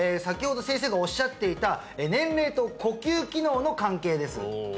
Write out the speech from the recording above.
先ほど先生がおっしゃっていた年齢と呼吸機能の関係です